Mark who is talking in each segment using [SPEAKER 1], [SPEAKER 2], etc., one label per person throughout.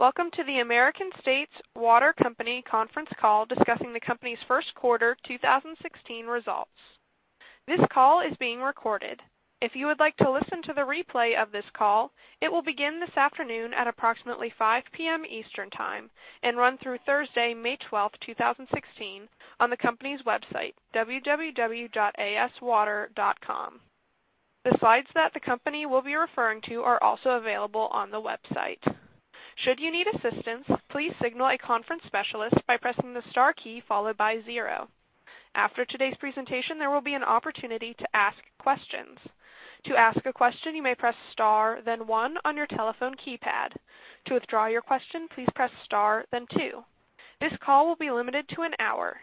[SPEAKER 1] Welcome to the American States Water Company conference call discussing the company's first quarter 2016 results. This call is being recorded. If you would like to listen to the replay of this call, it will begin this afternoon at approximately 5:00 P.M. Eastern Time and run through Thursday, May 12, 2016, on the company's website, www.aswater.com. The slides that the company will be referring to are also available on the website. Should you need assistance, please signal a conference specialist by pressing the star key followed by zero. After today's presentation, there will be an opportunity to ask questions. To ask a question, you may press star then one on your telephone keypad. To withdraw your question, please press star then two. This call will be limited to an hour.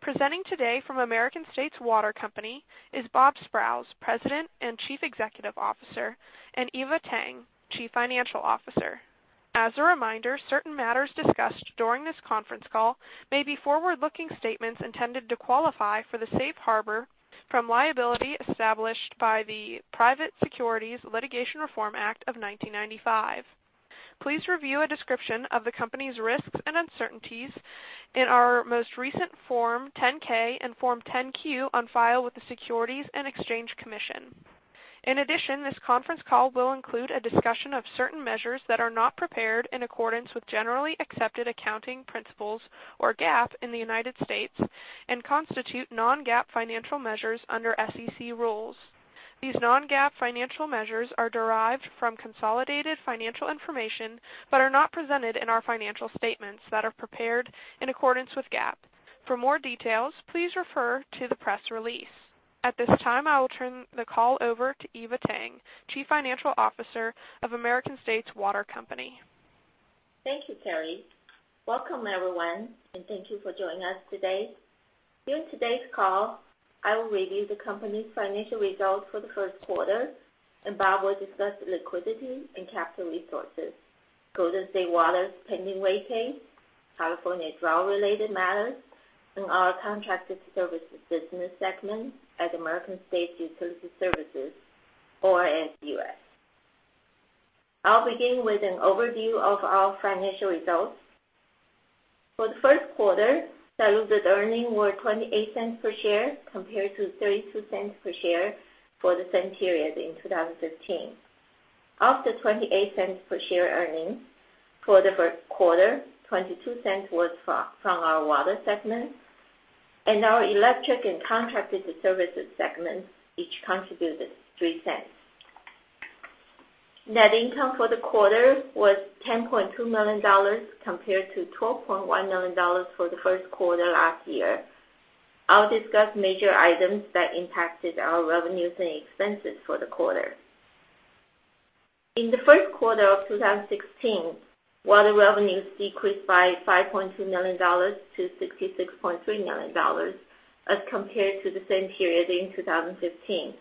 [SPEAKER 1] Presenting today from American States Water Company is Robert Sprowls, President and Chief Executive Officer, and Eva Tang, Chief Financial Officer. As a reminder, certain matters discussed during this conference call may be forward-looking statements intended to qualify for the safe harbor from liability established by the Private Securities Litigation Reform Act of 1995. Please review a description of the company's risks and uncertainties in our most recent Form 10-K and Form 10-Q on file with the Securities and Exchange Commission. In addition, this conference call will include a discussion of certain measures that are not prepared in accordance with generally accepted accounting principles, or GAAP, in the United States and constitute non-GAAP financial measures under SEC rules. These non-GAAP financial measures are derived from consolidated financial information but are not presented in our financial statements that are prepared in accordance with GAAP. For more details, please refer to the press release. At this time, I will turn the call over to Eva Tang, Chief Financial Officer of American States Water Company.
[SPEAKER 2] Thank you, Carrie. Welcome everyone, and thank you for joining us today. During today's call, I will review the company's financial results for the first quarter, and Bob will discuss liquidity and capital resources, Golden State Water's pending rate case, California drought-related matters, and our contracted services business segment at American States Utility Services, or ASUS. I'll begin with an overview of our financial results. For the first quarter, diluted earnings were $0.28 per share compared to $0.32 per share for the same period in 2015. Of the $0.28 per share earnings for the first quarter, $0.22 was from our water segment, and our electric and contracted services segments each contributed $0.03. Net income for the quarter was $10.2 million compared to $12.1 million for the first quarter last year. I'll discuss major items that impacted our revenues and expenses for the quarter. In the first quarter of 2016, water revenues decreased by $5.2 million to $66.3 million as compared to the same period in 2015.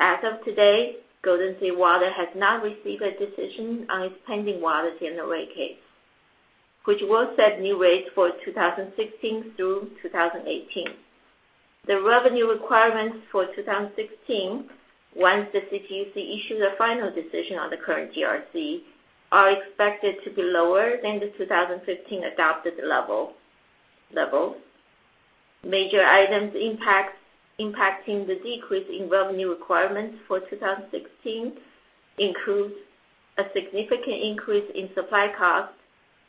[SPEAKER 2] As of today, Golden State Water has not received a decision on its pending Water General Rate Case, which will set new rates for 2016 through 2018. The revenue requirements for 2016, once the CPUC issues a final decision on the current GRC, are expected to be lower than the 2015 adopted level. Major items impacting the decrease in revenue requirements for 2016 includes a significant increase in supply costs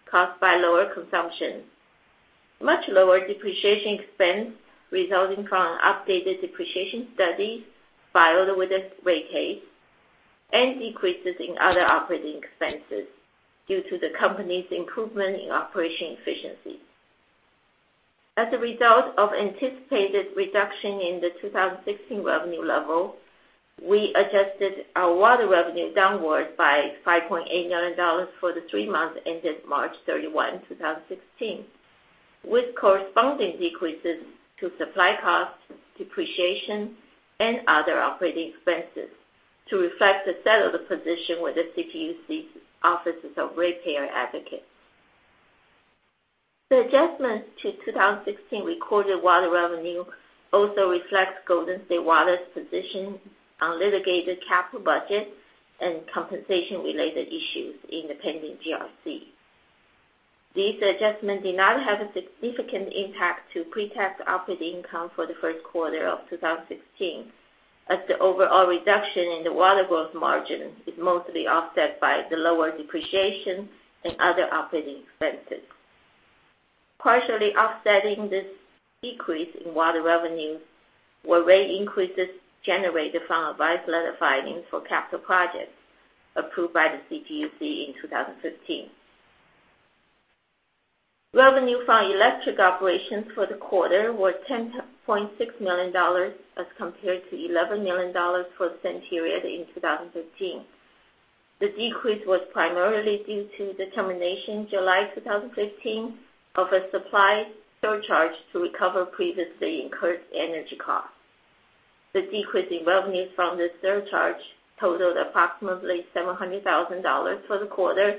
[SPEAKER 2] caused by lower consumption, much lower depreciation expense resulting from an updated depreciation study filed with this rate case, and decreases in other operating expenses due to the company's improvement in operation efficiency. As a result of anticipated reduction in the 2016 revenue level, we adjusted our water revenue downwards by $5.8 million for the three months ended March 31, 2016, with corresponding decreases to supply costs, depreciation, and other operating expenses to reflect the settled position with the CPUC's Offices of Ratepayer Advocates. The adjustments to 2016 recorded water revenue also reflects Golden State Water's position on litigated capital budget and compensation-related issues in the pending GRC. These adjustments did not have a significant impact to pre-tax operating income for the first quarter of 2016, as the overall reduction in the water growth margin is mostly offset by the lower depreciation and other operating expenses. Partially offsetting this decrease in water revenues were rate increases generated from advice letter filings for capital projects approved by the CPUC in 2015. Revenue from electric operations for the quarter was $10.6 million as compared to $11 million for the same period in 2015. The decrease was primarily due to the termination in July 2015 of a supply surcharge to recover previously incurred energy costs. The decrease in revenue from this surcharge totaled approximately $700,000 for the quarter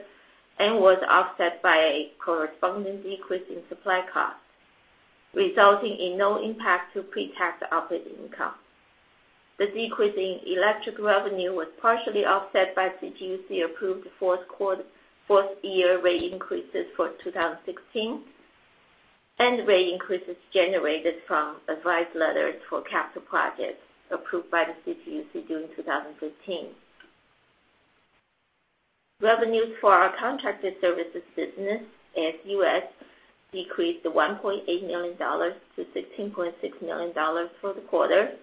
[SPEAKER 2] and was offset by a corresponding decrease in supply costs, resulting in no impact to pre-tax operating income. The decrease in electric revenue was partially offset by CPUC-approved fourth year rate increases for 2016, and rate increases generated from advice letters for capital projects approved by the CPUC during 2015. Revenues for our contracted services business, ASUS, decreased to $1.8 million to $16.6 million for the quarter.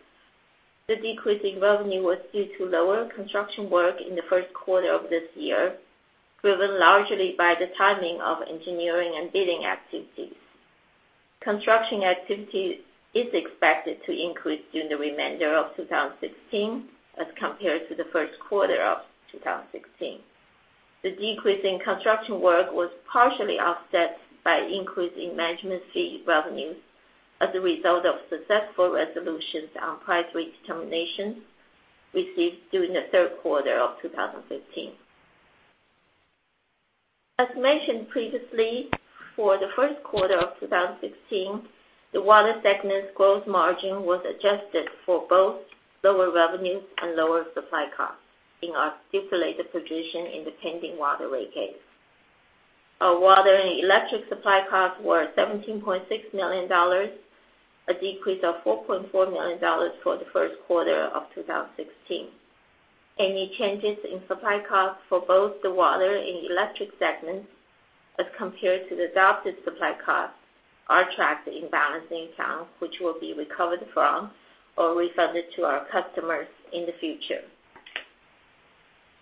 [SPEAKER 2] The decrease in revenue was due to lower construction work in the first quarter of this year, driven largely by the timing of engineering and bidding activities. Construction activity is expected to increase during the remainder of 2016 as compared to the first quarter of 2016. The decrease in construction work was partially offset by increase in management fee revenues as a result of successful resolutions on price redeterminations received during the third quarter of 2015. As mentioned previously, for the first quarter of 2016, the water segment gross margin was adjusted for both lower revenues and lower supply costs in our stipulated position in the pending water rate case. Our water and electric supply costs were $17.6 million, a decrease of $4.4 million for the first quarter of 2016. Any changes in supply costs for both the water and electric segments as compared to the adopted supply costs are tracked in balancing accounts, which will be recovered from or refunded to our customers in the future.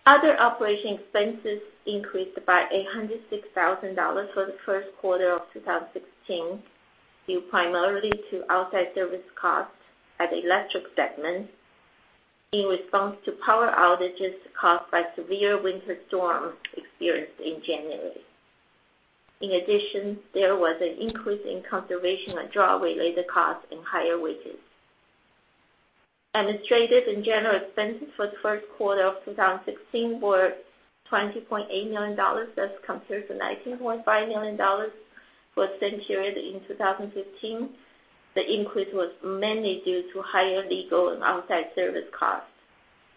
[SPEAKER 2] Other operating expenses increased by $806,000 for the first quarter of 2016, due primarily to outside service costs at the electric segment in response to power outages caused by severe winter storms experienced in January. In addition, there was an increase in conservation and drought-related costs and higher wages. Administrative and general expenses for the first quarter of 2016 were $20.8 million as compared to $19.5 million for the same period in 2015. The increase was mainly due to higher legal and outside service costs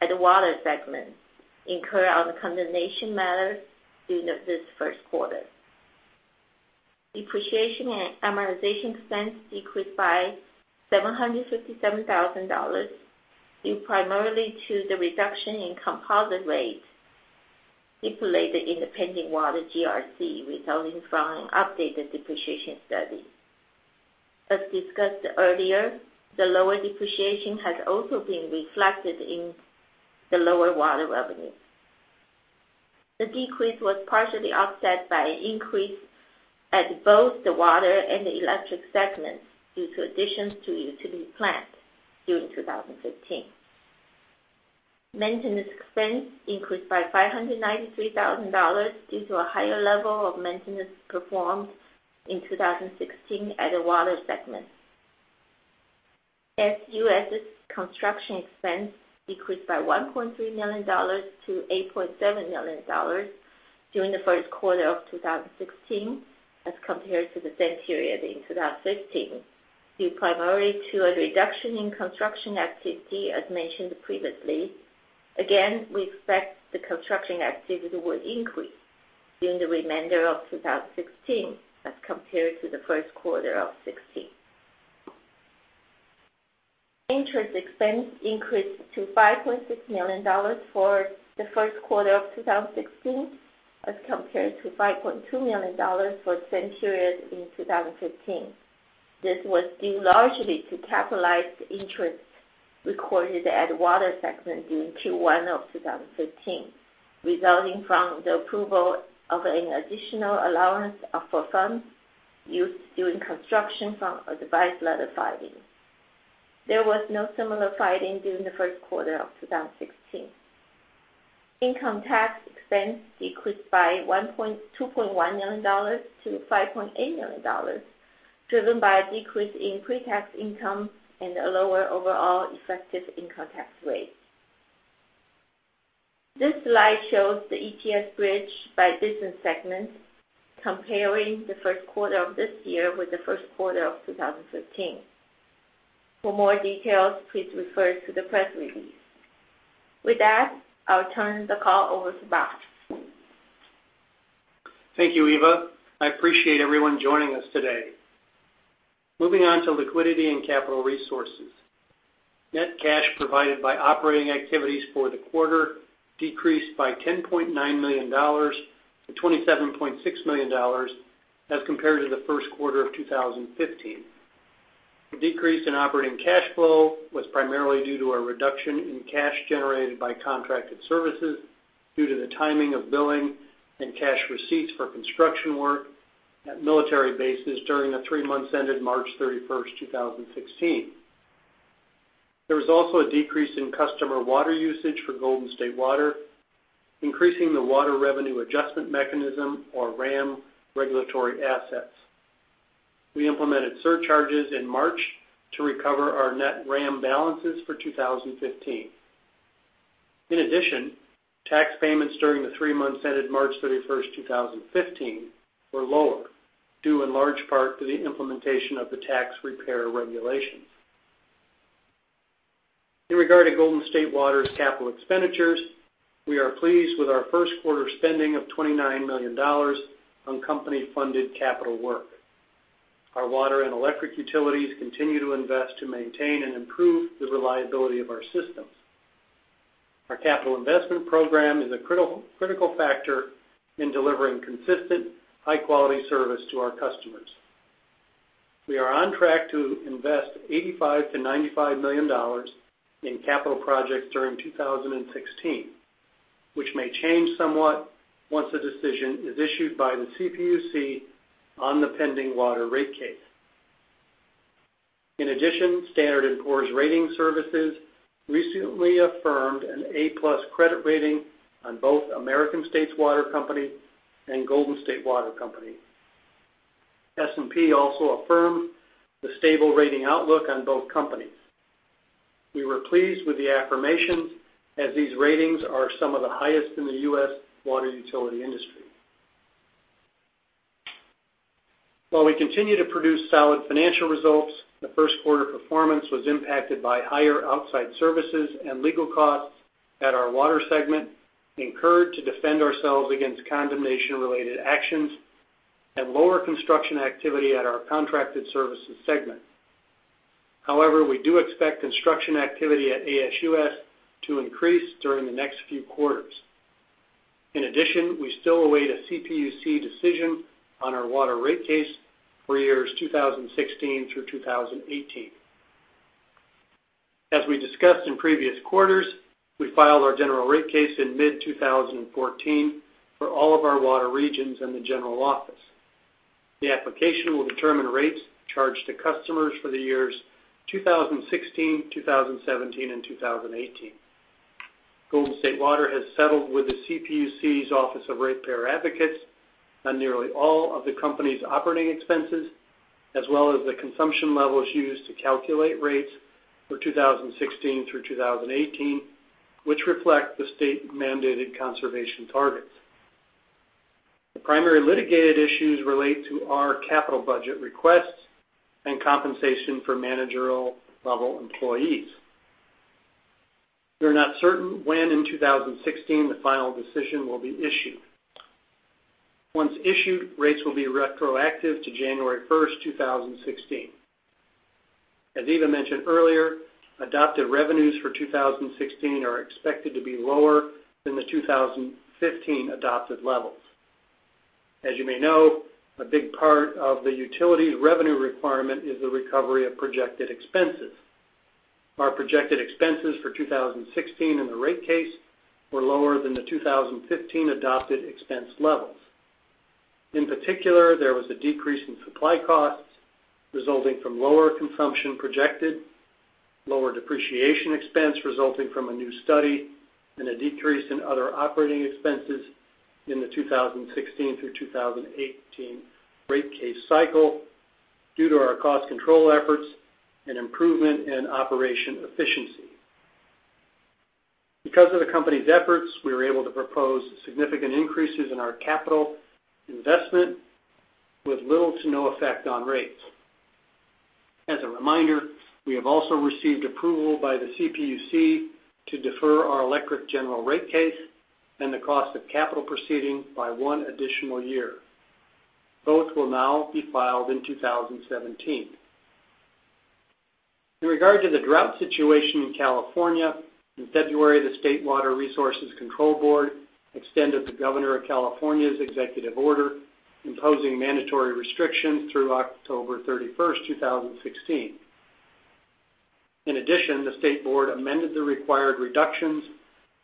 [SPEAKER 2] at the water segment incurred on the condemnation matters during this first quarter. Depreciation and amortization expense decreased by $757,000, due primarily to the reduction in composite rate stipulated in the pending water GRC, resulting from an updated depreciation study. As discussed earlier, the lower depreciation has also been reflected in the lower water revenues. The decrease was partially offset by an increase at both the water and the electric segments due to additions to utility plant during 2015. Maintenance expense increased by $593,000 due to a higher level of maintenance performed in 2016 at the water segment. ASUS's construction expense decreased by $1.3 million to $8.7 million during the first quarter of 2016 as compared to the same period in 2015, due primarily to a reduction in construction activity, as mentioned previously. We expect the construction activity will increase during the remainder of 2016 as compared to the first quarter of 2016. Interest expense increased to $5.6 million for the first quarter of 2016 as compared to $5.2 million for the same period in 2015. This was due largely to capitalized interest recorded at the water segment during Q1 of 2015, resulting from the approval of an additional allowance of funds used during construction from advice letter filings. There was no similar filing during the first quarter of 2016. Income tax expense decreased by $2.1 million to $5.8 million, driven by a decrease in pre-tax income and a lower overall effective income tax rate. This slide shows the EPS bridge by business segment, comparing the first quarter of this year with the first quarter of 2015. For more details, please refer to the press release. With that, I'll turn the call over to Rob.
[SPEAKER 3] Thank you, Eva. I appreciate everyone joining us today. Moving on to liquidity and capital resources. Net cash provided by operating activities for the quarter decreased by $10.9 million to $27.6 million as compared to the first quarter of 2015. The decrease in operating cash flow was primarily due to a reduction in cash generated by contracted services due to the timing of billing and cash receipts for construction work at military bases during the three months ended March 31st, 2016. There was also a decrease in customer water usage for Golden State Water, increasing the Water Revenue Adjustment Mechanism, or RAM, regulatory assets. We implemented surcharges in March to recover our net RAM balances for 2015. In addition, tax payments during the three months ended March 31st, 2015 were lower, due in large part to the implementation of the Repair Regulations. In regard to Golden State Water's capital expenditures, we are pleased with our first quarter spending of $29 million on company-funded capital work. Our water and electric utilities continue to invest to maintain and improve the reliability of our systems. Our capital investment program is a critical factor in delivering consistent, high-quality service to our customers. We are on track to invest $85 million-$95 million in capital projects during 2016, which may change somewhat once a decision is issued by the CPUC on the pending water rate case. In addition, Standard & Poor's Rating Services recently affirmed an A+ credit rating on both American States Water Company and Golden State Water Company. S&P also affirmed the stable rating outlook on both companies. We were pleased with the affirmation, as these ratings are some of the highest in the U.S. water utility industry. While we continue to produce solid financial results, the first quarter performance was impacted by higher outside services and legal costs at our water segment incurred to defend ourselves against condemnation-related actions, and lower construction activity at our contracted services segment. We do expect construction activity at ASUS to increase during the next few quarters. In addition, we still await a CPUC decision on our water rate case for years 2016 through 2018. As we discussed in previous quarters, we filed our general rate case in mid-2014 for all of our water regions and the general office. The application will determine rates charged to customers for the years 2016, 2017, and 2018. Golden State Water has settled with the CPUC's Office of Ratepayer Advocates on nearly all of the company's operating expenses, as well as the consumption levels used to calculate rates for 2016 through 2018, which reflect the state-mandated conservation targets. The primary litigated issues relate to our capital budget requests and compensation for managerial-level employees. We are not certain when in 2016 the final decision will be issued. Once issued, rates will be retroactive to January 1st, 2016. As Eva mentioned earlier, adopted revenues for 2016 are expected to be lower than the 2015 adopted levels. As you may know, a big part of the utility's revenue requirement is the recovery of projected expenses. Our projected expenses for 2016 in the rate case were lower than the 2015 adopted expense levels. In particular, there was a decrease in supply costs resulting from lower consumption projected, lower depreciation expense resulting from a new study, and a decrease in other operating expenses in the 2016 through 2018 rate case cycle due to our cost control efforts and improvement in operation efficiency. Because of the company's efforts, we were able to propose significant increases in our capital investment with little to no effect on rates. As a reminder, we have also received approval by the CPUC to defer our electric general rate case and the cost of capital proceeding by one additional year. Both will now be filed in 2017. In regard to the drought situation in California, in February, the State Water Resources Control Board extended the Governor of California's executive order, imposing mandatory restrictions through October 31st, 2016. In addition, the state board amended the required reductions,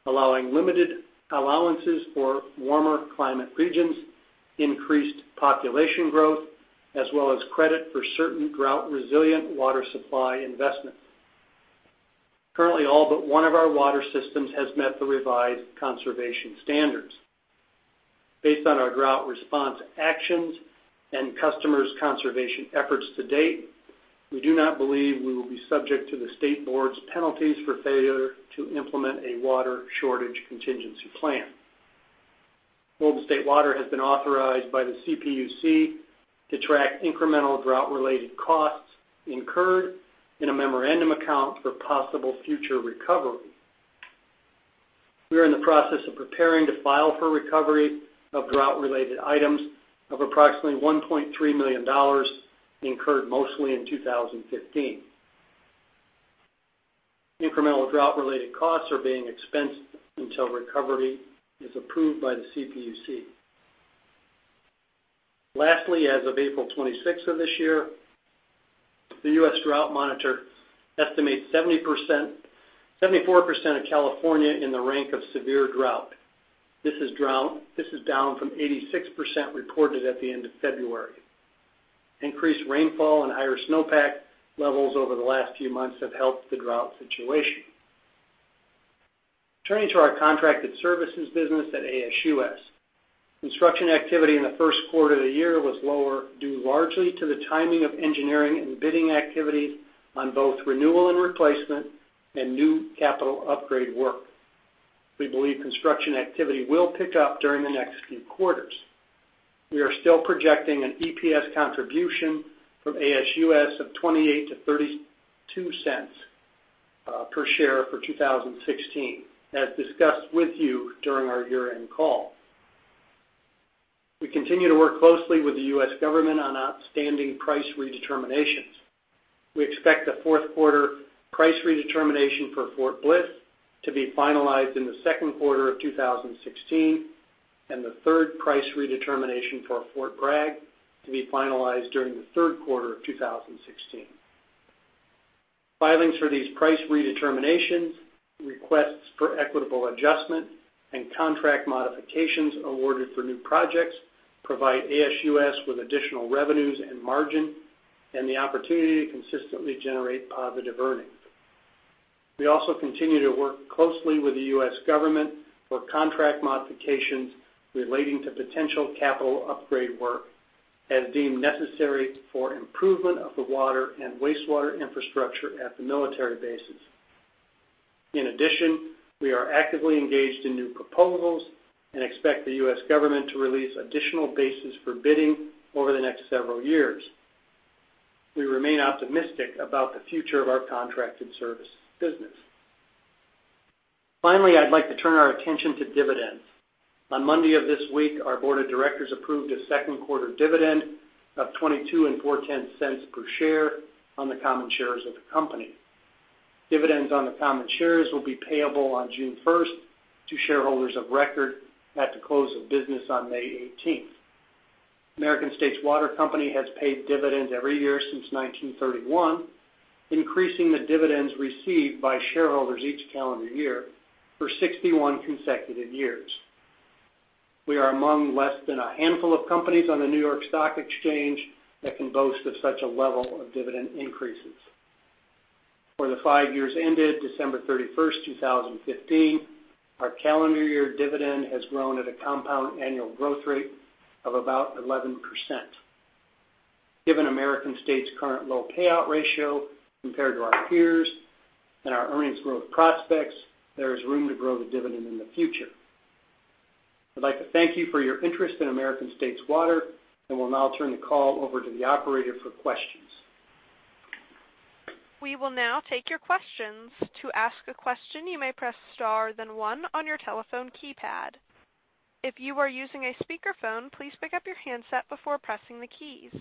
[SPEAKER 3] allowing limited allowances for warmer climate regions, increased population growth, as well as credit for certain drought-resilient water supply investments. Currently, all but one of our water systems has met the revised conservation standards. Based on our drought response actions and customers' conservation efforts to date, we do not believe we will be subject to the state board's penalties for failure to implement a water shortage contingency plan. Golden State Water has been authorized by the CPUC to track incremental drought-related costs incurred in a memorandum account for possible future recovery. We are in the process of preparing to file for recovery of drought-related items of approximately $1.3 million, incurred mostly in 2015. Incremental drought-related costs are being expensed until recovery is approved by the CPUC. Lastly, as of April 26th of this year, the U.S. Drought Monitor estimates 74% of California in the rank of severe drought. This is down from 86% reported at the end of February. Increased rainfall and higher snowpack levels over the last few months have helped the drought situation. Turning to our contracted services business at ASUS. Construction activity in the first quarter of the year was lower, due largely to the timing of engineering and bidding activity on both renewal and replacement and new capital upgrade work. We believe construction activity will pick up during the next few quarters. We are still projecting an EPS contribution from ASUS of $0.28 to $0.32 per share for 2016, as discussed with you during our year-end call. We continue to work closely with the U.S. government on outstanding price redeterminations. We expect the fourth quarter price redetermination for Fort Bliss to be finalized in the second quarter of 2016, and the third price redetermination for Fort Bragg to be finalized during the third quarter of 2016. Filings for these price redeterminations, requests for equitable adjustment, and contract modifications awarded for new projects provide ASUS with additional revenues and margin and the opportunity to consistently generate positive earnings. We also continue to work closely with the U.S. government for contract modifications relating to potential capital upgrade work as deemed necessary for improvement of the water and wastewater infrastructure at the military bases. In addition, we are actively engaged in new proposals and expect the U.S. government to release additional bases for bidding over the next several years. We remain optimistic about the future of our contracted services business. Finally, I'd like to turn our attention to dividends. On Monday of this week, our board of directors approved a second-quarter dividend of $0.224 per share on the common shares of the company. Dividends on the common shares will be payable on June 1st to shareholders of record at the close of business on May 18th. American States Water Company has paid dividends every year since 1931, increasing the dividends received by shareholders each calendar year for 61 consecutive years. We are among less than a handful of companies on the New York Stock Exchange that can boast of such a level of dividend increases. For the five years ended December 31st, 2015, our calendar year dividend has grown at a compound annual growth rate of about 11%. Given American States' current low payout ratio compared to our peers and our earnings growth prospects, there is room to grow the dividend in the future. I'd like to thank you for your interest in American States Water, and will now turn the call over to the operator for questions.
[SPEAKER 1] We will now take your questions. To ask a question, you may press star, then one on your telephone keypad. If you are using a speakerphone, please pick up your handset before pressing the keys.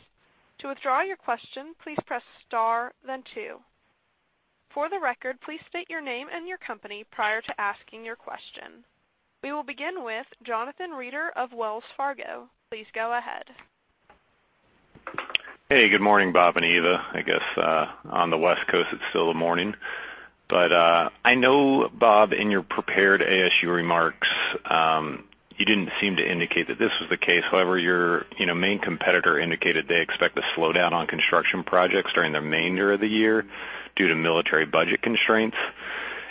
[SPEAKER 1] To withdraw your question, please press star, then two. For the record, please state your name and your company prior to asking your question. We will begin with Jonathan Reeder of Wells Fargo. Please go ahead.
[SPEAKER 4] Hey, good morning, Bob and Eva. I guess on the West Coast, it's still the morning. I know, Bob, in your prepared ASUS remarks, you didn't seem to indicate that this was the case. However, your main competitor indicated they expect a slowdown on construction projects during the remainder of the year due to military budget constraints.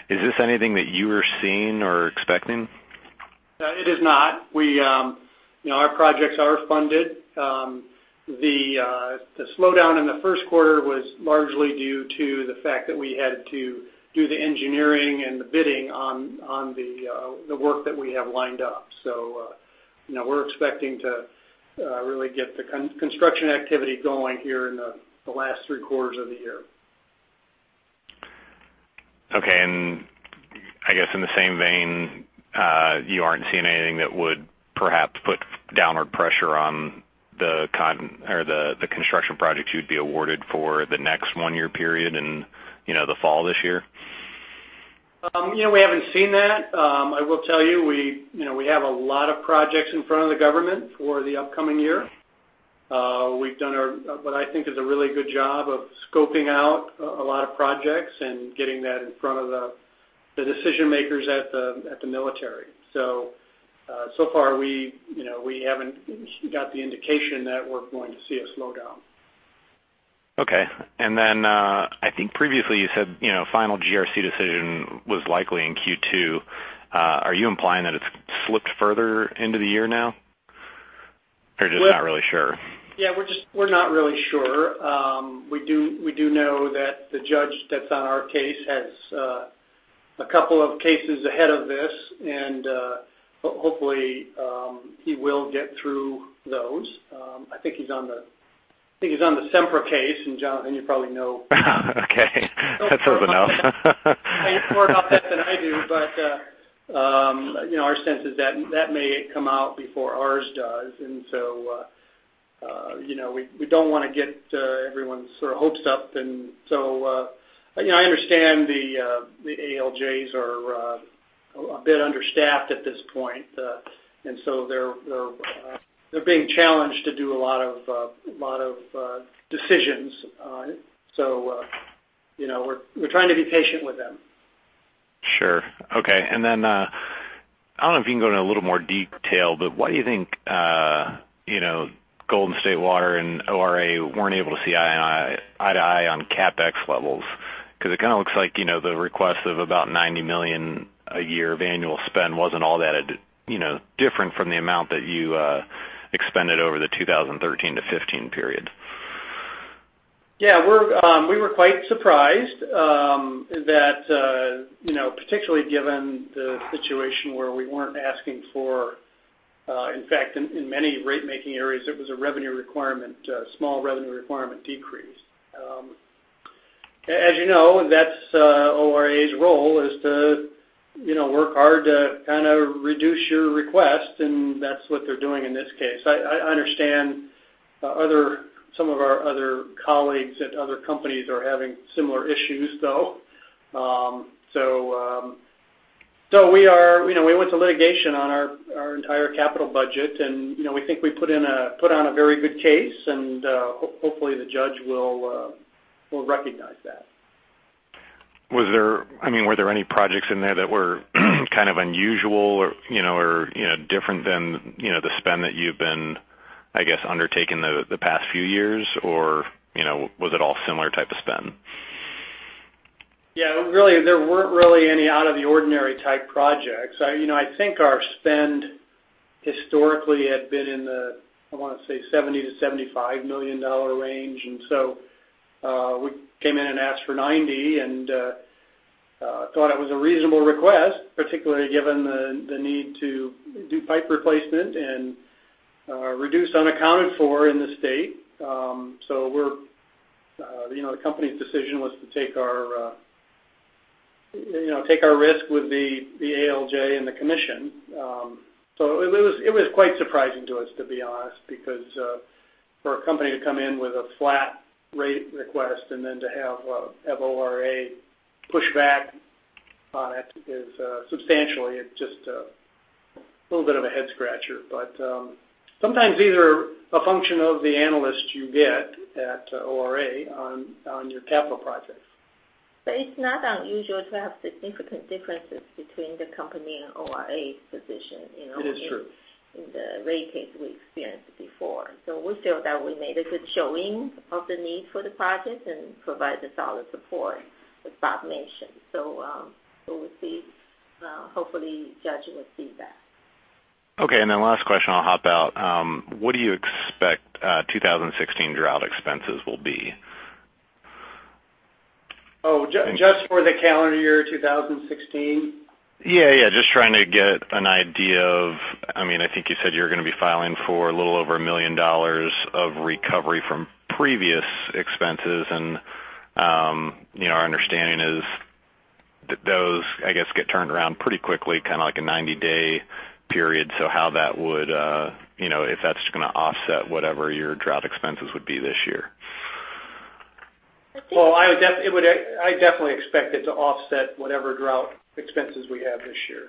[SPEAKER 4] Is this anything that you are seeing or expecting?
[SPEAKER 3] It is not. Our projects are funded. The slowdown in the first quarter was largely due to the fact that we had to do the engineering and the bidding on the work that we have lined up. We're expecting to really get the construction activity going here in the last three quarters of the year.
[SPEAKER 4] Okay. I guess in the same vein, you aren't seeing anything that would perhaps put downward pressure on the construction projects you'd be awarded for the next one-year period in the fall of this year?
[SPEAKER 3] We haven't seen that. I will tell you, we have a lot of projects in front of the government for the upcoming year. We've done what I think is a really good job of scoping out a lot of projects and getting that in front of the decision-makers at the military. So far, we haven't got the indication that we're going to see a slowdown.
[SPEAKER 4] Okay. Then, I think previously you said final GRC decision was likely in Q2. Are you implying that it's slipped further into the year now? Just not really sure?
[SPEAKER 3] Yeah, we're not really sure. We do know that the judge that's on our case has a couple of cases ahead of this, hopefully, he will get through those. I think he's on the Sempra case, Jonathan, you probably know.
[SPEAKER 4] Okay. That's enough
[SPEAKER 3] more about that than I do. Our sense is that may come out before ours does. We don't want to get everyone's hopes up. I understand the ALJs are a bit understaffed at this point, they're being challenged to do a lot of decisions. We're trying to be patient with them.
[SPEAKER 4] Sure. Okay. I don't know if you can go into a little more detail, but why do you think Golden State Water and ORA weren't able to see eye to eye on CapEx levels, because it kind of looks like the request of about $90 million a year of annual spend wasn't all that different from the amount that you expended over the 2013-2015 period.
[SPEAKER 3] Yeah. We were quite surprised that, particularly given the situation where we weren't asking for. In fact, in many rate-making areas, it was a small revenue requirement decrease. As you know, that's ORA's role is to work hard to kind of reduce your request, and that's what they're doing in this case. I understand some of our other colleagues at other companies are having similar issues, though. We went to litigation on our entire capital budget, and we think we put on a very good case and hopefully the judge will recognize that.
[SPEAKER 4] Were there any projects in there that were kind of unusual or different than the spend that you've been, I guess, undertaking the past few years? Or was it all similar type of spend?
[SPEAKER 3] Yeah. There weren't really any out of the ordinary type projects. I think our spend historically had been in the, I want to say $70 million-$75 million range. We came in and asked for $90 million and thought it was a reasonable request, particularly given the need to do pipe replacement and reduce unaccounted for in the state. The company's decision was to take our risk with the ALJ and the commission. It was quite surprising to us, to be honest, because for a company to come in with a flat rate request and then to have ORA push back on it is substantially just a little bit of a head scratcher. Sometimes these are a function of the analyst you get at ORA on your capital projects.
[SPEAKER 2] It's not unusual to have significant differences between the company and ORA's position.
[SPEAKER 3] It is true.
[SPEAKER 2] in the rate case we experienced before. We feel that we made a good showing of the need for the project and provided solid support, as Robert mentioned. We'll see. Hopefully judge will see that.
[SPEAKER 4] Last question, I'll hop out. What do you expect 2016 drought expenses will be?
[SPEAKER 3] Just for the calendar year 2016?
[SPEAKER 4] Yeah. Just trying to get an idea of, I think you said you're going to be filing for a little over $1 million of recovery from previous expenses and our understanding is that those, I guess, get turned around pretty quickly, kind of like a 90-day period. How that would, if that's going to offset whatever your drought expenses would be this year.
[SPEAKER 2] I think-
[SPEAKER 3] Well, I definitely expect it to offset whatever drought expenses we have this year,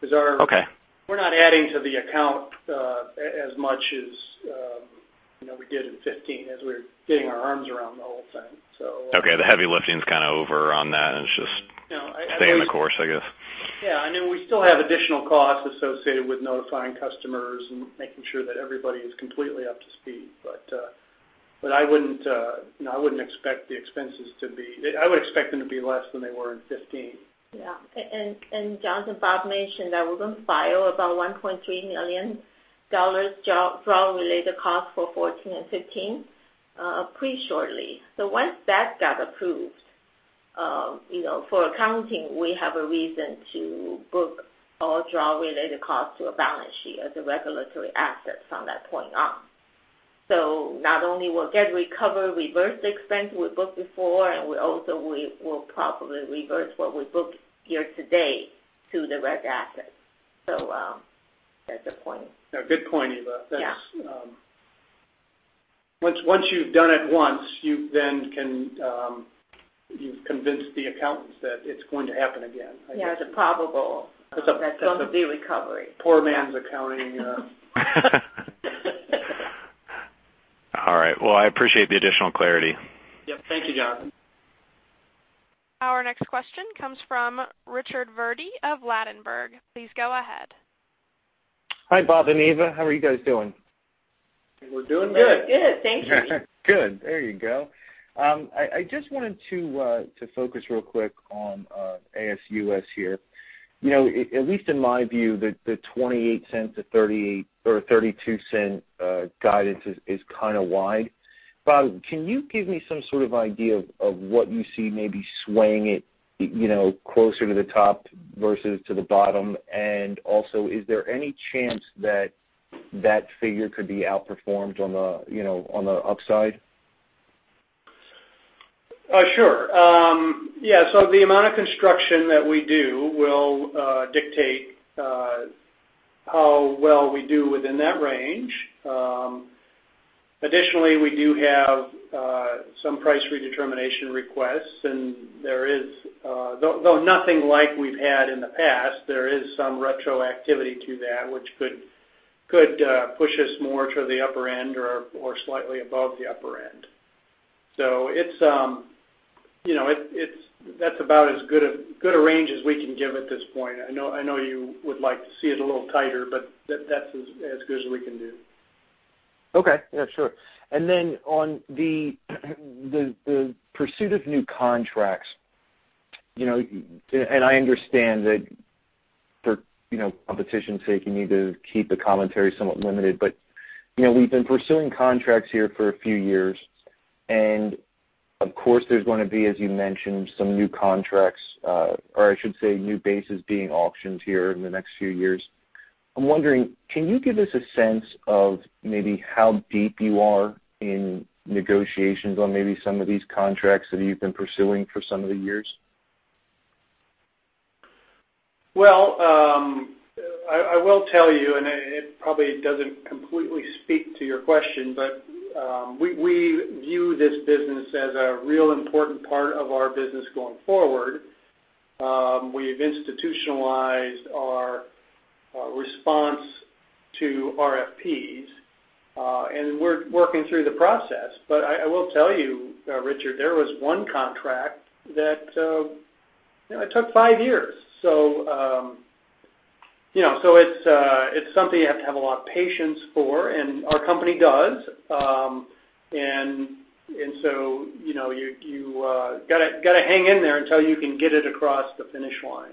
[SPEAKER 3] because
[SPEAKER 4] Okay
[SPEAKER 3] we're not adding to the account as much as we did in 2015, as we were getting our arms around the whole thing.
[SPEAKER 4] Okay. The heavy lifting's kind of over on that, and
[SPEAKER 3] At least.
[SPEAKER 4] staying the course, I guess.
[SPEAKER 3] Yeah. We still have additional costs associated with notifying customers and making sure that everybody is completely up to speed. I would expect them to be less than they were in 2015.
[SPEAKER 2] Yeah. John, as Bob mentioned, that we're going to file about $1.3 million drought-related costs for 2014 and 2015, pretty shortly. Once that got approved, for accounting, we have a reason to book all drought-related costs to a balance sheet as a regulatory asset from that point on. Not only we'll get recovered, reverse the expense we booked before, and we also will probably reverse what we book here today to the reg asset. That's a point.
[SPEAKER 3] Yeah. Good point, Eva.
[SPEAKER 2] Yeah.
[SPEAKER 3] Once you've done it once, you've convinced the accountants that it's going to happen again, I guess.
[SPEAKER 2] Yeah. It's a.
[SPEAKER 3] It's.
[SPEAKER 2] that there's going to be recovery.
[SPEAKER 3] Poor man's accounting.
[SPEAKER 4] All right. Well, I appreciate the additional clarity.
[SPEAKER 3] Yep. Thank you, John.
[SPEAKER 1] Our next question comes from Richard Verdi of Ladenburg. Please go ahead.
[SPEAKER 5] Hi, Bob and Eva. How are you guys doing?
[SPEAKER 3] We're doing good.
[SPEAKER 2] Good. Thank you.
[SPEAKER 5] Good. There you go. I just wanted to focus real quick on ASUS here. At least in my view, the $0.28-$0.32 guidance is kind of wide. Bob, can you give me some sort of idea of what you see maybe swaying it closer to the top versus to the bottom? Also, is there any chance that that figure could be outperformed on the upside?
[SPEAKER 3] Sure. Yeah. The amount of construction that we do will dictate how well we do within that range. Additionally, we do have some price redetermination requests and there is, though nothing like we've had in the past, there is some retroactivity to that which could push us more to the upper end or slightly above the upper end. That's about as good a range as we can give at this point. I know you would like to see it a little tighter, that's as good as we can do.
[SPEAKER 5] Okay. Yeah, sure. On the pursuit of new contracts, I understand that for competition's sake, you need to keep the commentary somewhat limited. We've been pursuing contracts here for a few years, and of course, there's going to be, as you mentioned, some new contracts, or I should say, new bases being auctioned here in the next few years. I'm wondering, can you give us a sense of maybe how deep you are in negotiations on maybe some of these contracts that you've been pursuing for some of the years?
[SPEAKER 3] I will tell you, it probably doesn't completely speak to your question, we view this business as a real important part of our business going forward. We've institutionalized our response to RFPs. We're working through the process. I will tell you, Richard, there was one contract that it took five years. It's something you have to have a lot of patience for, and our company does. You got to hang in there until you can get it across the finish line.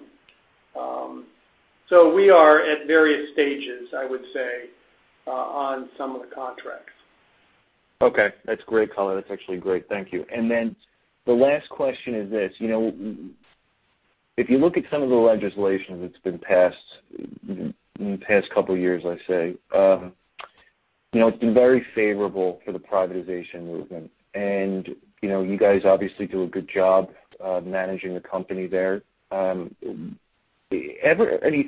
[SPEAKER 3] We are at various stages, I would say, on some of the contracts.
[SPEAKER 5] Okay. That's great, Colin. That's actually great. Thank you. The last question is this. If you look at some of the legislation that's been passed in the past couple of years, I say, it's been very favorable for the privatization movement. You guys obviously do a good job of managing the company there. Any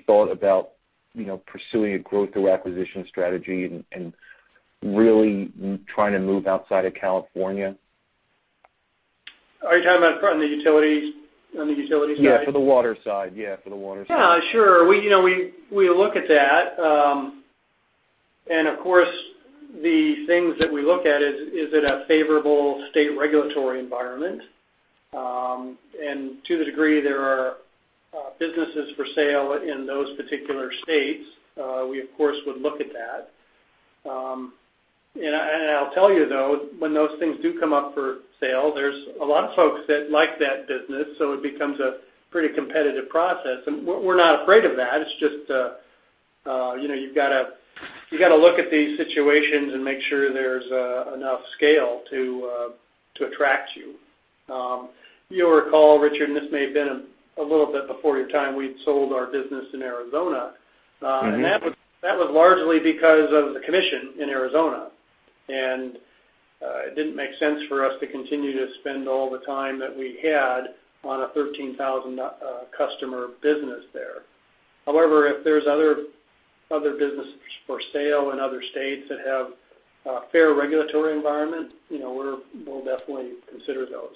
[SPEAKER 5] thought about pursuing a growth through acquisition strategy and really trying to move outside of California?
[SPEAKER 3] Are you talking about on the utilities side?
[SPEAKER 5] Yeah, for the water side. Yeah. For the water side.
[SPEAKER 3] Yeah, sure. We look at that. Of course, the things that we look at is it a favorable state regulatory environment? To the degree there are businesses for sale in those particular states, we of course, would look at that. I'll tell you though, when those things do come up for sale, there's a lot of folks that like that business, so it becomes a pretty competitive process. We're not afraid of that. It's just you've got to look at these situations and make sure there's enough scale to attract you. You'll recall, Richard, and this may have been a little bit before your time, we'd sold our business in Arizona. That was largely because of the commission in Arizona. It didn't make sense for us to continue to spend all the time that we had on a 13,000 customer business there. However, if there's other businesses for sale in other states that have a fair regulatory environment, we'll definitely consider those.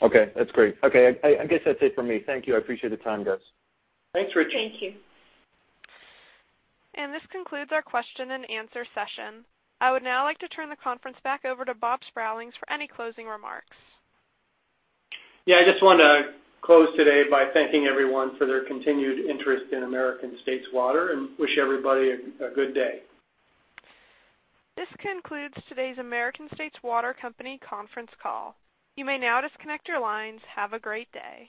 [SPEAKER 5] Okay. That's great. Okay. I guess that's it for me. Thank you. I appreciate the time, guys.
[SPEAKER 3] Thanks, Richard.
[SPEAKER 2] Thank you.
[SPEAKER 1] This concludes our question and answer session. I would now like to turn the conference back over to Bob Sprowls for any closing remarks.
[SPEAKER 3] I just wanted to close today by thanking everyone for their continued interest in American States Water and wish everybody a good day.
[SPEAKER 1] This concludes today's American States Water Company conference call. You may now disconnect your lines. Have a great day.